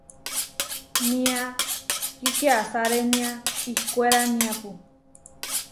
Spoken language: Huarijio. Niá ki kiasarénia ihkwéraniapu.